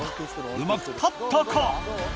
うまく立ったか？